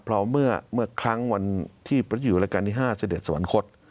เพราะเมื่อครั้งวันที่พระเจ้าอยู่รายการที่๕เสด็จสวรรคต